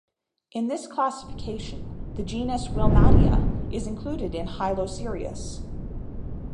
In this classification, the genus "Wilmattea" is included in "Hylocereus".